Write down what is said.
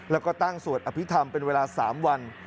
แล้วก็ตั้งสวดอภิษฐรรมเป็นเวลา๓วัน